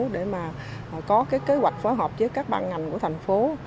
để mà có kế hoạch phối hợp với các bàn ngành của thành phố